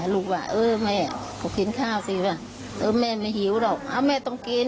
ลูกว่าเออแม่ก็กินข้าวสิวะแม่ไม่หิวหรอกแม่ต้องกิน